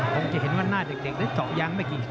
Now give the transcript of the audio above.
คงจะเห็นว่าหน้าเด็กนั้นเจาะยางไม่กี่